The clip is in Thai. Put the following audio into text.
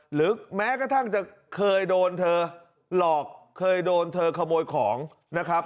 หรือแม้กระทั่งจะเคยโดนเธอหลอกเคยโดนเธอขโมยของนะครับ